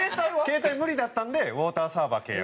携帯は無理だったんでウォーターサーバー契約。